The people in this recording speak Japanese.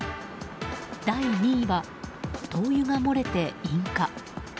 第２には灯油が漏れて引火。